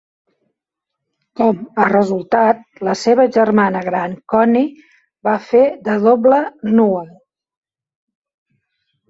Com a resultat, la seva germana gran Connie va fer de doble nua.